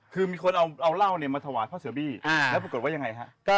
คือมีคนเอาเล่ามาถว่าข้าวเสือบินครับปรากฎว่ายังไงครับฮ่าอย่างนี้คน